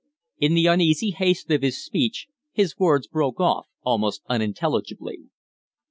In the uneasy haste of his speech his words broke off almost unintelligibly.